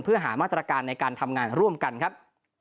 เพื่อหามาตรการในการทำงานร่วมกันครับ